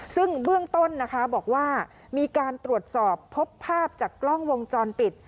ซึ่งเบื้องต้นนะคะบอกว่ามีการตรวจสอบพบภาพจากกล้องวงจรปิด